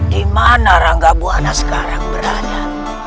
di mana rangga buana sekarang berada